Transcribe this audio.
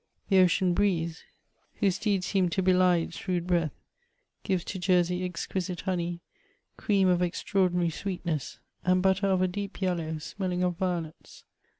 The ocean hreeze, whose deeds seem to helie its rude hreath, gives to Jersey exquisite honey, cream of extraordinary sweetness, and butter of a deep yellow, smelling of violets.